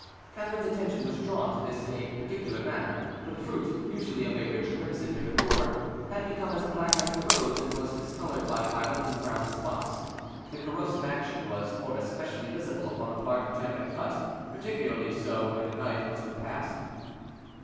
Catherine's attention was drawn to this in a particular manner, for the fruit, usually of a rich crimson near the core, had become as black as the rose, and was discolored by violet and brown spots. The corrosive action was more especially visible upon the part which had been cut, and particularly so where the knife must have passed.